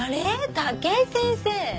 武井先生！